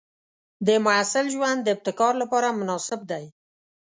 د محصل ژوند د ابتکار لپاره مناسب دی.